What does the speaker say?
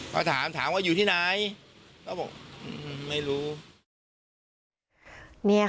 ก็ถามถามว่าอยู่ที่ไหน